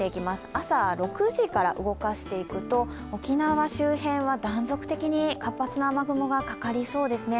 朝６時から動かしていくと、沖縄周辺は断続的に活発な雨雲がかかりそうですね。